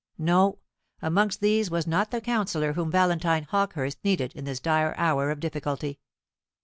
No. Amongst these was not the counsellor whom Valentine Hawkehurst needed in this dire hour of difficulty.